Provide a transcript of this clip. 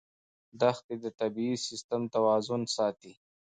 دښتې د طبعي سیسټم توازن ساتي.